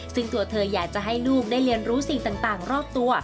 ซึ่งตัวเธออยากจะให้ลูกได้เรียนรู้สิ่งต่างรอบตัว